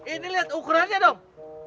ini lihat ukurannya dong